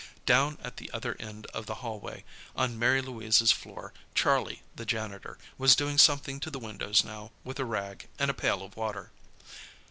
Down at the other end of the hallway on Mary Louise's floor Charlie, the janitor, was doing something to the windows now, with a rag, and a pail of water.